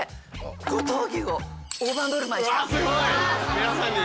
皆さんに？